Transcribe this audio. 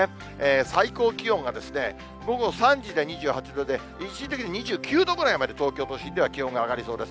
最高気温が午後３時で２８度で、一時的に２９度ぐらいまで、東京都心では気温が上がりそうです。